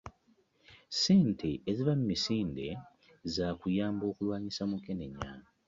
Ssente eziva mu misinde zakuyamba kulwanyisa mukenenya.